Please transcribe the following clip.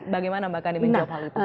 bagaimana mbak kandi menjawab hal itu